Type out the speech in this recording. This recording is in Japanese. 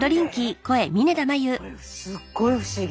これすっごい不思議。